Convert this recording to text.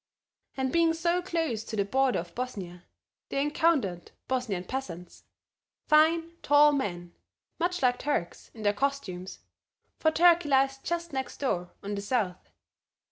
And being so close to the border of Bosnia they encountered Bosnian peasants, fine tall men much like Turks in their costumes, for Turkey lies just next door on the south.